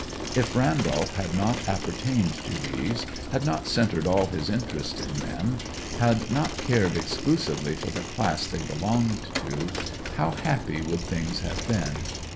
If Randolph had not appertained to these, had not centred all his interests in them, had not cared exclusively for the class they belonged to, how happy would things have been!